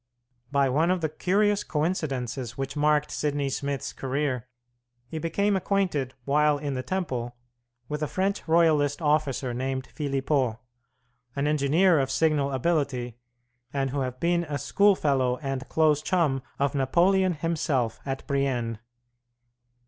By one of the curious coincidences which marked Sidney Smith's career, he became acquainted while in the Temple with a French Royalist officer named Philippeaux, an engineer of signal ability, and who had been a schoolfellow and a close chum of Napoleon himself at Brienne.